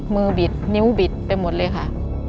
บิดนิ้วบิดไปหมดเลยค่ะ